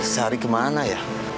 sehari kemana ya